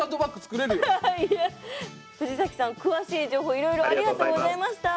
藤崎さん詳しい情報いろいろありがとうございました。